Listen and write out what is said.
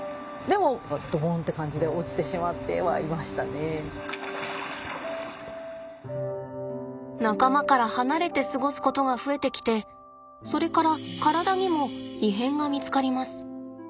ここから入れるかどうかを仲間から離れて過ごすことが増えてきてそれから体にも異変が見つかります。